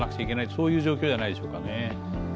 そういう状況じゃないでしょうかね。